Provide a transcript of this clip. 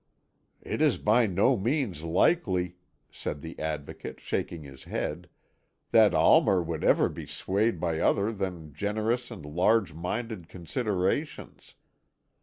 "It is by no means likely," said the Advocate, shaking his head, "that Almer would ever be swayed by other than generous and large minded considerations.